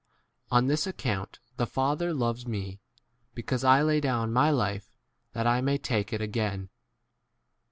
17 On this account the Father loves me, because I' lay down my life 18 that I may take it again.